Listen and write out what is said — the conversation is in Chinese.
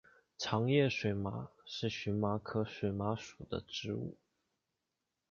长叶水麻是荨麻科水麻属的植物。